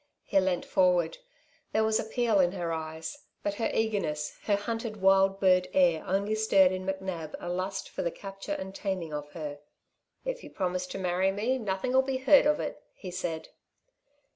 He leant forward. There was appeal in her eyes. But her eagerness, her hunted wild bird air only stirred in McNab a lust for the capture and taming of her. "If you promise to marry me, nothing'll be heard of it," he said.